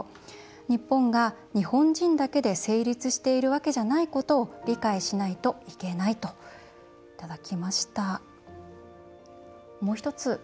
日本が日本人だけで成立しているわけじゃないことを理解しないといけないといただきました。